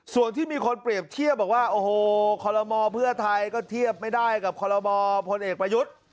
ส่วนที่มีคนเปรียบเทียบบอกว่าโอ้โหคอลโลมอเพื่อไทยก็เทียบไม่ได้กับคอลโมพลเอกประยุทธ์